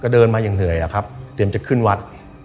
เดินมาอย่างเหนื่อยอะครับเตรียมจะขึ้นวัด